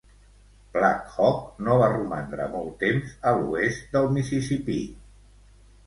Black Hawk no va romandre molt temps a l'oest del Mississippi.